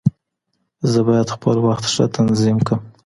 زه بايد خپل وخت ښه تنظيم کړم.